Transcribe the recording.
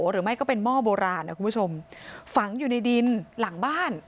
หรือไม่ก็เป็นหม้อโบราณนะคุณผู้ชมฝังอยู่ในดินหลังบ้าน